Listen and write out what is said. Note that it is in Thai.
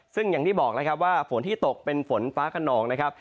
ซึ่งอย่างที่บอกแล้วครับว่าฝนที่ตกเป็นฝนฟ้าขนองนะครับ